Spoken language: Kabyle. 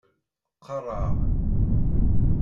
Qqareɣ.